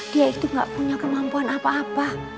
dia itu gak punya kemampuan apa apa